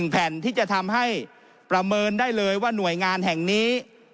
แผ่นที่จะทำให้ประเมินได้เลยว่าหน่วยงานแห่งนี้